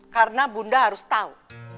karena bunda harus tahu